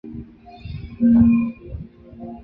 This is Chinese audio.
塞利姆很快就遵从命令并迅速前往科尼亚。